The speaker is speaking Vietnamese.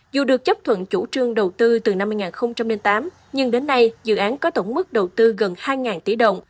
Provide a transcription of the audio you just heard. dù được chấp thuận chủ trương đầu tư từ năm hai nghìn tám nhưng đến nay dự án có tổng mức đầu tư gần hai tỷ đồng